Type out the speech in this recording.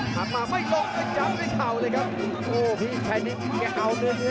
หลักมาไม่ลงไม่จับไม่เข่าเลยครับโอ้พีชชัยนิดเอาเนื้อเนื้อ